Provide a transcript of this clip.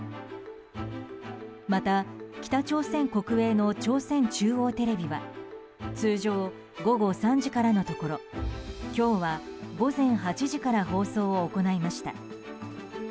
また北朝鮮国営の朝鮮中央テレビは通常午後３時からのところ今日は午前８時から放送を行いました。